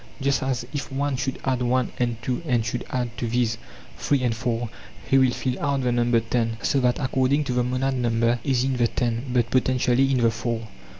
Just as if one should add one and two and should add to these three and four, he will fill out the number ten; so that according to the monad number is in the ten, but potentially in the four.